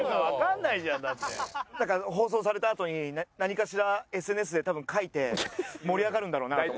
なんか放送されたあとに何かしらＳＮＳで多分書いて盛り上がるんだろうなと思って。